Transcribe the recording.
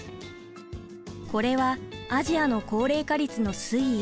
これはアジアの高齢化率の推移。